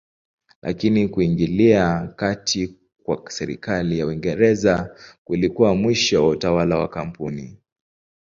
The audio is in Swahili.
Lakini kuingilia kati kwa serikali ya Uingereza kulikuwa mwisho wa utawala wa kampuni.